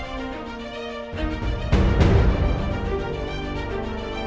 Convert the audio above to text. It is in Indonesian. nah aku butuh kamu untuk menenangkan aku